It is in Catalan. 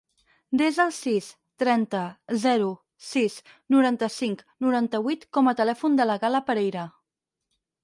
Desa el sis, trenta, zero, sis, noranta-cinc, noranta-vuit com a telèfon de la Gal·la Pereira.